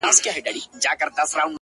ستا سندريز روح چي په موسکا وليد!! بل!!